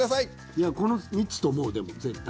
いやこの３つと思うでも絶対。